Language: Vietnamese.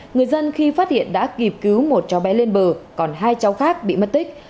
người dân khi phát hiện đã kịp cứu một cháu bé lên bờ còn hai cháu khác bị mất tích